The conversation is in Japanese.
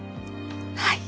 はい。